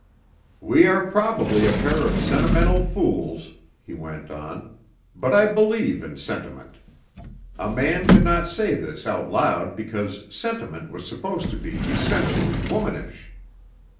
"We are probably a pair of sentimental fools," he went on, "but I believe in sentiment. A man could not say this out loud because sentiment was supposed to be essentially womanish.